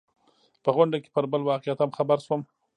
په غونډه کې پر بل واقعیت هم خبر شوم.